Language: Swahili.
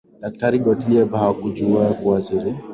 daktari gottlieb hakujua kuwa ripoti yake itakuwa ya kihistoria